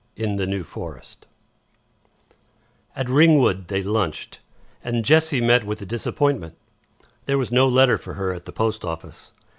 IN THE NEW FOREST At Ringwood they lunched, and Jessie met with a disappointment. There was no letter for her at the post office.